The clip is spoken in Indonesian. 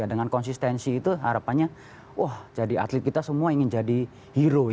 dengan konsistensi itu harapannya wah jadi atlet kita semua ingin jadi hero